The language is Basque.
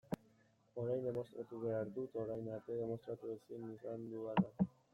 Orain demostratu behar dut orain arte demostratu ezin izan dudana.